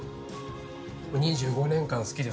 ２５年間、好きです。